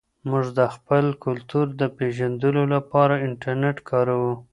موږ د خپل کلتور د پېژندلو لپاره انټرنیټ کاروو.